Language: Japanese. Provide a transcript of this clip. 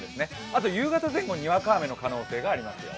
あと夕方前後ににわか雨の可能性がありますよ。